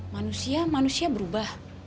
manusia manusia berubah